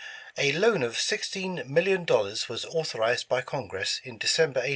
A loan of sixteen million dollars was authorized by Congress in December, 1812."